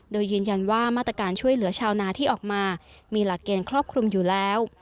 โดยยืนยันว่ามาตรการช่วยเหลือชาวนาที่ออกมามีหลักเกณฑ์ครอบคลุมอยู่แล้ว